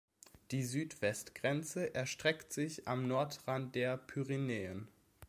Die Südwestgrenze erstreckt sich am Nordrand der Pyrenäen.